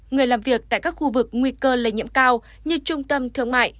người làm việc tại các khu vực nguy cơ lây nhiễm cao như trung tâm thương mại